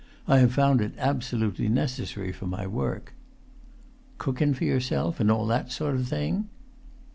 I have found it absolutely necessary for my work." "Cookin' for yourself, and all that sort of thing?"